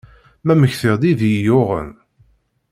Ma mektiɣ-d i d iyi-yuɣen.